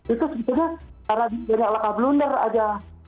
itu sebetulnya karena banyak lakah blunder aja